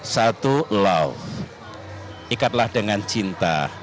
satu love ikatlah dengan cinta